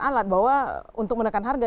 alat bahwa untuk menekan harga